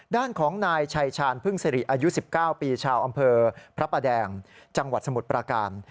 ด้านของนายชัยชาญพึ่งสิริอายุ๑๙ปีชาวอำเภอพระประแดงจังหวัดสมุทรประการ